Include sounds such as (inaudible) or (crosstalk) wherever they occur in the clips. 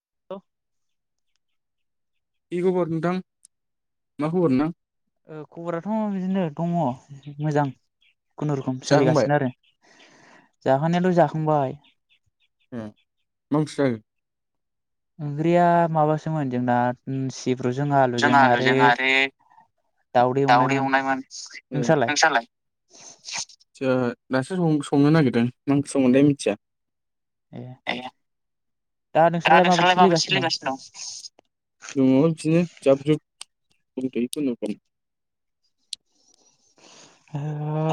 (unintelligible) कि खबर नोंथां मा खबर नोंथां? ओ खबराथ' बिदिनो दङ मोजां खुनुरुखुम जाखांबाय सोलिगासिनो आरो। जाखांनायाथ' जाखांबाय। ए मा ओंख्रि जाखो? ओंख्रिया माबासोमोन जोंना उम सिब्रुजों आलुजों आरो दाउदै एवनायमोन नोंस्रालाय नोंसालाय? जाहा दासो सं-संनो नागिरदों मा ओंख्रि संगोनथाय मिनथिया। ए दा नोंसालाय माबायदि सोलिगासिनो दं? दङ बिदिनो जाब जुब दंथ'यो खुनुरुखुम।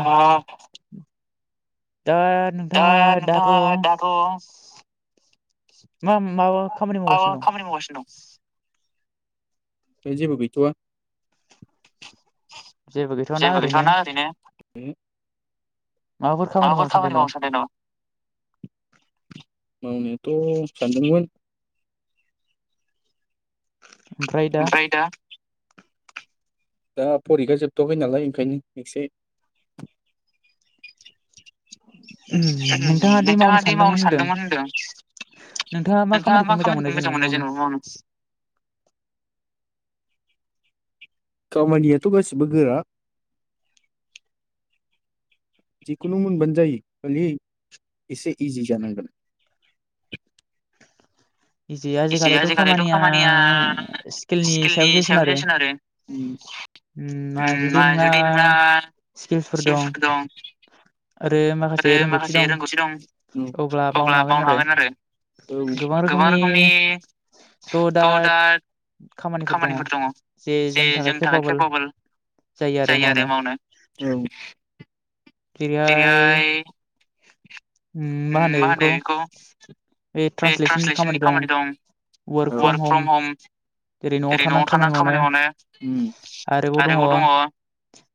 दा दा नोंथाङा दाथ' नोंथाङा मा माबा खामानि आं मावगासिनो दं खामानि मावगासिनो दं। जेबो गैथ'वा। जेबो गैथ'वाना ओरैनो उमहो। माबाफोर खामानि मावनो सानदों नामा? ओमफ्राय दा। दा फरिखा जोबथवाखै नालाय ओंखायनो एसे नोंथाङा दे मावनो सानदोंमोन होनदों। नोंथाङा मा खामानिखौ मोजां मोनो जेन'बा मावनो? खामानियाथ' गासिबो गोरा। जिखुनु मोनबानो जायो खालि एसे इजि जानांगोन। एसे आजिखालिथ' खामानिया स्किलनि सायावसो सोनारो उम उम मा उम नोंहा जुदि नोंना (unintelligible) दं। आरो माखासे आरो रोंगौथि माखासे रोंगौथि दं अब्ला मावनो हागोन आरो। गोबां रोखोमनि थ' दा खामानिफोर दङ जे जोंनि थाखाय केपाबल। जायो आरो मावनो। औ। जेरैहाय उम मा होनो बिखौ बे ट्रान्सलेसननि खामानि दं औ वार्क फ्रम हम। जेरै न'आव थानानै खामानि मावनो उम आरो बाव दङ।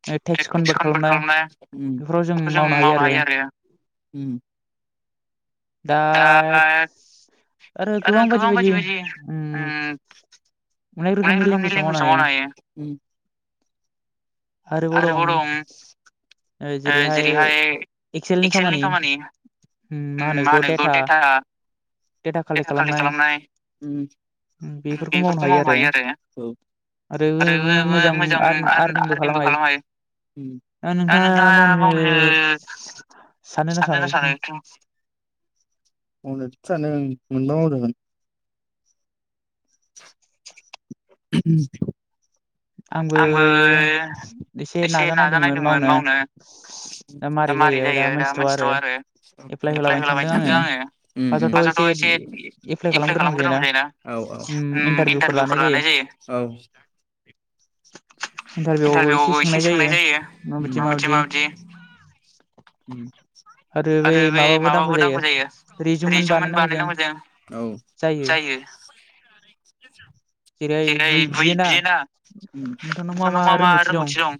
(unintelligible) टेक्स कनभार्ट खालामनाय बेफोरखौ जों मावनो हायो आरो। दा आरो गोबां बायदि बायदि उम। अनेक रोखोमनि लेंगुइच आव मावनो हायो उम। आरोबाव दं ओ जेरैहाय एक्सेलनि खामानि उम मा मा होनो बेखौ देटा देटा कालेक्ट खालामनाय उम। बेफोरखौ मावनो हायो आरो औ आरो मोजां आर्न आरनिंबो खालामनो (unintelligible) खालाम हायो। उम दा नोंथाङा मावनो साननो ना सानो? मावनोथ' सानो मोनबा मावजागोन। आंबो एसे नाजानायदोंमोन मावनो दा मारै जायो दा मोनथिथ'आ आरो। एप्लाइ होलाबायनो सानदों आङो उम उम फार्स्टआवथ' एसे एप्लाइ खालामग्रोनांगौ जायोना। औ औ उम इन्टारभिउफोर लानाय जायो औ। इन्टारभिउआवबो एसे सोंनाय जायो माबायदि माबायदि। आरो बे माबाबो नांगौ जायो। रिजुमेन्ट रिजुमोन जों बानायनांगौ मोजां औ जायो। (unintelligible) बियोना उम नोंथांनाव मा मा रोंगौथि दं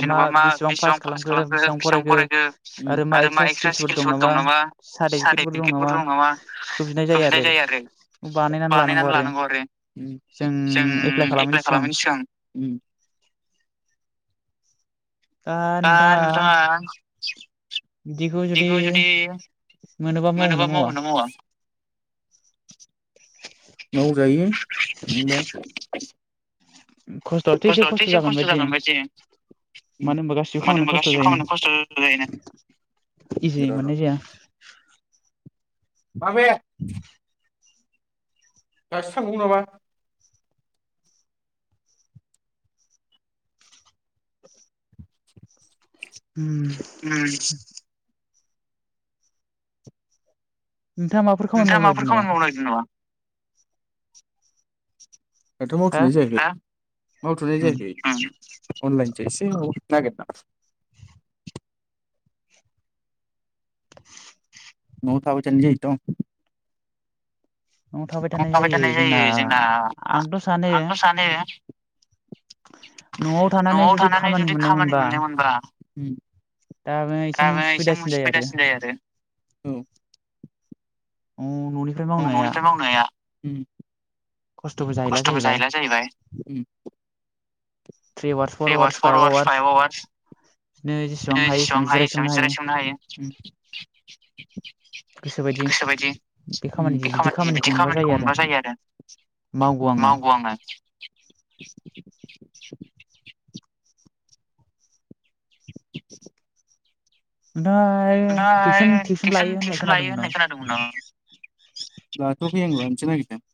जेनबा मा बेसेबां पास खालामखो बेसेबां फरायखो आरो मा एक्सट्रा स्किल्सफोर दं नामा सार्टिफिकेटफोर दं नामा बिखौ बिनाय जायो आरो। बानायनानै लानांगौ आरो जों एप्लाइ खालामयैनि सिगां उम। दा नोंथाङा बिदिखौ जुदि मोनोबा मावगोना मावा? माव जायो मोनबा। खस्थ'आथ' एसे खस्थ' जागोन बायदि। मानो होनबा गासिबो खामानियाव खस्थ' गासिबो जायोना। खामानियाव खस्थ' जायोना इजियै मोननाय जाया। माबे? (inaudible) दासो थांबावयो नामा? (inaudible) उम उम नोंथाङा माफोर नोंथाङा माबाफोर खामानि मावनो नागिरदों नामा? दाथ' हा मावथ'नाय जायाखै ओ मावथ'नाय उम जायाखै उम अनलाइनसो एसे माबा नागिरदां (inaudible) न'आव थाबाय थानाय जायोथ' न'आवनो थाबाय थानाय जायो जोंना आ आंथ' सानो आंथ' सानो न'आव थानानै जुदि खामानि मोननाय मोनब्रा उम दाबो एसे मुस सुबिदासिन जायो आरो (unintelligible) न'निफ्राय मावनाया खस्थ'बो जाहैला जाहैबाय (unintelligible) three hours four hours five hours जेसेबां हायो एसेबां जिराय सोमनो हायो। गोसोबायदि बे खामानि बिदि खामानिखौ मोनबा जायो आरो मावगौ आङो (inaudible) (inaudible) नोथाङा हाय नोंथाङा हाय टिउसन टिउसन लायो आं खोना दोंमोन आं लाथवाखै आं लानोसो नागिरदों।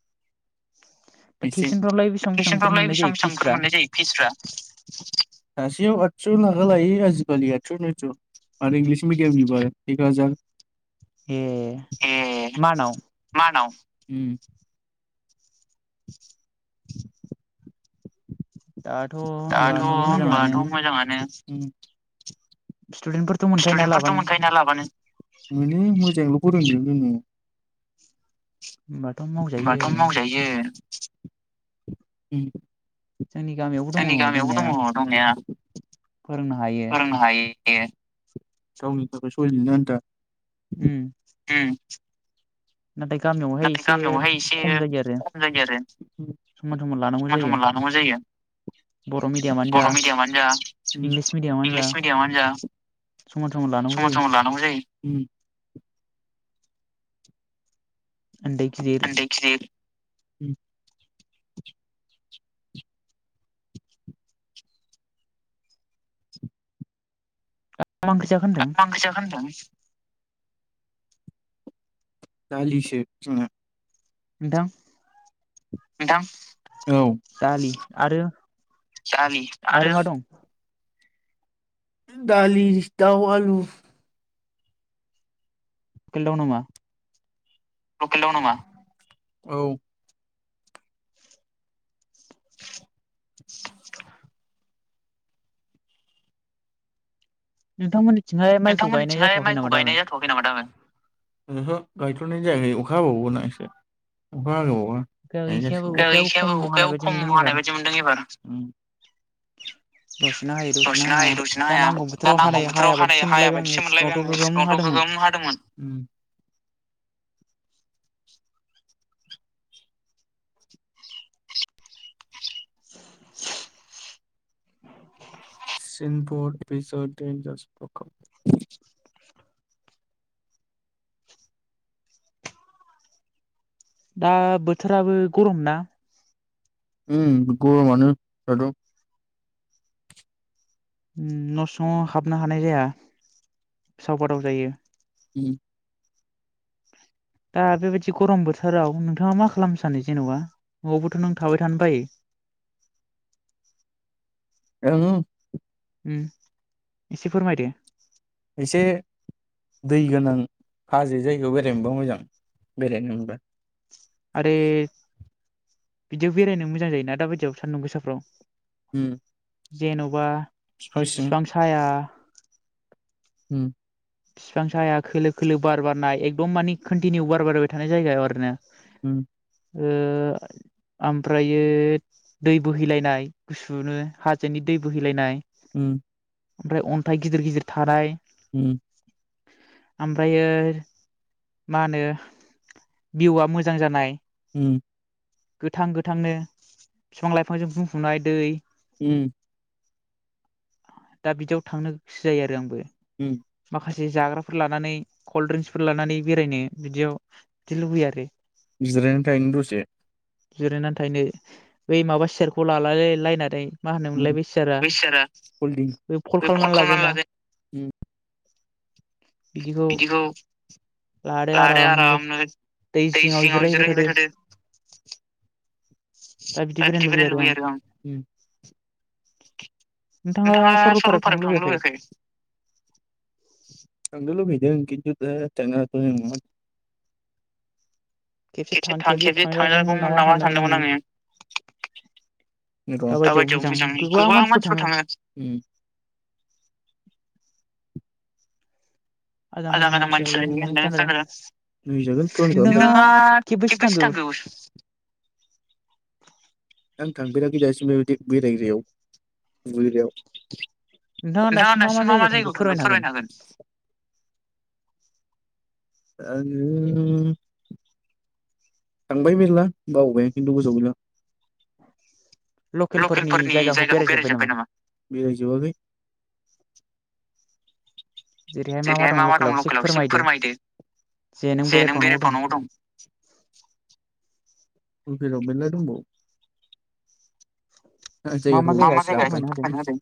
दा एसे टिउसनफ्रावलाय बेसेबां बेसेबांफोर थिवसनफ्रावलाय मोननाय बेसेबां जायो बेसेबांफोर फिसफ्रा मोननाय जायो फिसफ्रा सासेयाव आदस' थाखालायो आजिखालि आदस' नयस' आरो इंलिस मिडि यामनिबा एकहाजार ए मानाव मानाव उ दाथ' (inaudible) होनबाथ' दाथ' मोजाङानो दाथ' मोजाङानो सटुडेटफोरथ' स्टुदेनफोरथ' मोनखायो ना लाबानो मोनो मोजाङल' फोरोंदों जोङो होमबाथ' मावजायो होनबाथ' मावजायो जोंनि गामियाव जोंनि गामियावबो दङ दंनाया फोरोंनो हायो। ए गावनि थाखाय सलिना थानो आनथा उम उम नाथाय गामियावहाय नाथाय एसे गामियावहाय एसे जायो आरो खम जायो समान समान लानांगौ आरो जायो मथ मला जायो बर' मिडियामानो जा बर' मिडियामानो जा इंलिस मिडियामानो जा इंलिस मिडियामानो जा समान समान लानांगौ समान जायो समान लानांगौ जायो। उन्दै गिदिर उन्दै गिदिर दा मा ओंख्रि जाख होन्दों? मा ओंख्रि जाखो होनदों? दालिसो नथां नोंथां औ दालि आरो दालि आरो मा दं दालि दाव आलु खलाव नामा लकेल दाव नामा औ स नोंथांमोननिथिंहाय माइखौ गायनाय थिंहाय जाथ'वाखै नामा दाबो (unintelligible) ओह गायथ'नाय जायाखै अखा हाबावगोना एसे अखा दाबो अखायाबो हाबाबावा अखायाबो खम खायाबो हानाय अखायाबो बायदि खम मोनदों एबार हानाय बायदि मोनदों एबार दसेनो हायो दसेनो दसेनो हाया हायो दसेनो दा हाया नांगौ दा बोथोराव नांगौ हानाय हाया बोथोराव हानाय बायदिसो हाया मोनलायबाय आङो बायदिसो मोनलायबाय सिगाङावथ' आङो गोगोम सिगाङावथ' हादोंमोन गोगोम हादोंमोन (inaudible) (inaudible) (inaudible) (unintelligible) दा बोथोराबो गरम ना। उम गरमानो दाथ'। उम न' सिङाव हाबनो हानाय जाया उसाव बादाव जायो। (inaudible) दा बेबायदि गरम बोथोराव नोंथाङा मा खालामनो सानो जेन'बा न'आवबोथ' नों थाबाय थानो बायो। ओ उम एसे फोरमायदो। एसे दै गोनां हाजो जायगायाव बेरायनो मोनोबा मोजां बेरायनो मोनबा। आरे बिदियाव बेरायनो मोजां जायोना दाबायदियाव सान्दुं गोसाफ्राव। उम। जेन'बा। बिफां सिं साया। उम। बिफां साया खोलो खोलो बार बारनाय एकदम मानि कन्टिनिउ बार बारबाय थानाय जायगायाव आरो ना। उम। ओ ओमफ्रायो दै बोहैलायनाय गुसुनो हाजोनि दै बोहैलायनाय। उम। ओमफ्राय अन्थाइ गिदिर गिदिर थानाय। उम। ओमफ्रायो मा होनो। भिउआ मोजां जानाय। उम। गोथां गोथांनो बिफां लाइफांजों बुंफुनाय दै। उम। दा बिदियाव थांनो गोसो जायो आरो आंबो। उम। माखासे जाग्राफोर लानानै कल ड्रिंक्सफोर लानानै बेरायदो बिदियाव। बिदि लुगैयाखै। जिरायना थाहैनि दसे। जिराना थाहैनो बै माबा सिआरखौ लालाय लायनानै। मा होनो मोनलाय बै सिआरा इसोरा कल बे फल्ड खालामना लाजायोना। उम बिदिखौ। लादो आरामनो दै सिंआव जिरायहैबाय थादो। (inaudible) दा बिदि बेरायनो लुगैयो आरो आं। (inaudible) नोंथाङा सर‍'लपारायाव थांनो लुबैआखै? थांनो लुबैदों खिन्थु बिराद (unintelligible) (inaudible) खेबसे थां खेबसे थांजागौमोन नामा सानदोंमोन आङो। (inaudible) नंगौ दाबायदिआव गोजाननि गोबां मानसिफोर थाङो उम। आजां गाजां मानसि नोंथाङा (unintelligible) बा खेबबेसे थांखो हाब थांफेराखै दासिमबो बेबादि बेरायग्रायाव दुगैग्रा नोंथाङा दासिम मा मा जायगायाव थांखो फोरमायनो हागोन। (inaudible) आरो नों थांबाय मेरला बावबाय आं खिन्थु गोसोआव गैला आं। लकेलफोरनि जायगाखौ बेरायजोबबाय नामा? बेरायजोबाखै। जेरैहाय मा मा दं लकेलाव एसे फोरमायदो? जे नों बेरायबावनांगौ दं लकेलाव मेरला दंबावो। आं जायगाखौ मा मा जायगा एसे फोरमायना होजागोन।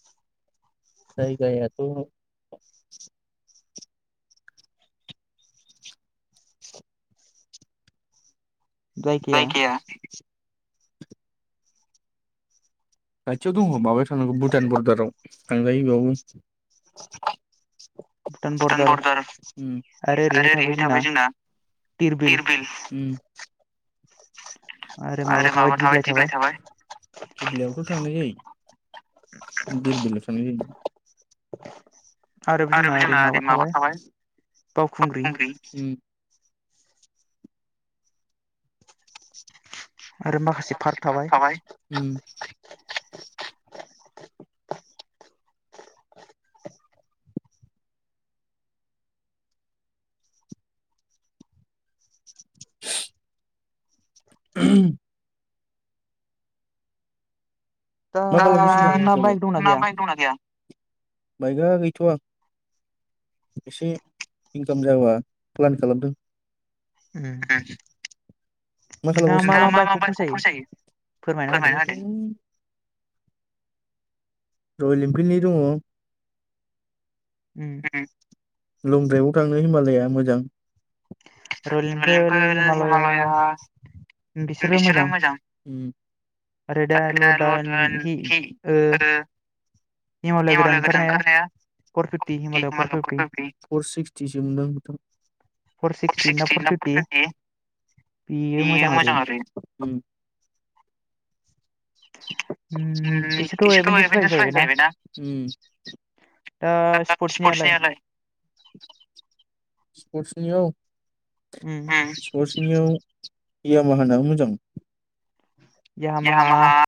(inaudible) जायगायाथ' जायगाया खाथियाव दङ माबायाव थांनांगौ भुटान बरदाराव थांजायो बेयावबो। (inaudible) भुटान बरदार उम आरो ओरैहाय थाबाय जोंना। (inaudible) धिरबिल दिरबिल उम। आरो माबा थाबाय दिबलाइ थाबाय। थांनाय जायो (inaudible) दिरबिलआव थांनाय जायो। (inaudible) आरो जोंना ओरै माबा थाबाय बाउखुंग्रि उम। आरो माखासे पार्क थाबाय उम (inaudible) (inaudible) ओहोम। दा नोंथांना बाइक दंना मा गैया बाइक दंना गैया? बाइकआ गैथ'वा। एसे इनकाम जाबा प्लान खालामदों। उम। (inaudible) नोंथाङा मा मा बाइकखौ फसायो फोरमायना होदो। रयेल एनफिल्डनि दङ उम (inaudible) लं द्राइभआव थांनो हिमालाया मोजां। रयेल (inaudible) रयाल एनफिल्ड एनफिल, हिमालया बिसोरो मोजां आरो दाल' दा (unintelligible) लड आरो हि किक ओ आरो हिमालय गोदान ओंखारनाया। Four fifty Himalaya four fifty four सिक्सटिसो मोनदां नोंथां फर सिक्सटि ना फर थारटि बेयो मोजां आरो उम बेसोरथ' बिसोरथ' एबेनजास बादि एभेन्सार जाहैबाय फाइभ ना जाहैबायना ओ स्पर्टसनियालाय स्पर्टसनियाव उम स्पर्टसनियाव हयामाहानानों मोजां (unintelligible) यामाहा याहामाहा